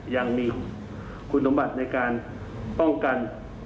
ยังมีคุณสมบัติในการป้องกัน